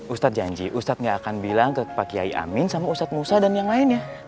ustadz janji ustadz gak akan bilang ke pak kiai amin sama ustadz musa dan yang lainnya